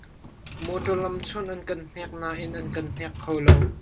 Mawtaw lam chunh an kan hnek nain an kan hnek kho lo.